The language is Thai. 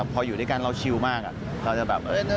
พออยู่ด้วยกันเราชิลมากเราจะแบบอะไรอย่างนี้